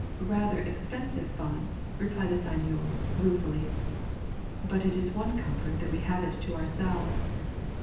"Rather expensive fun," replied the Seigneur ruefully. "But it is one comfort that we have it to ourselves."